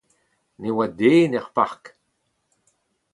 Ne oa den er park.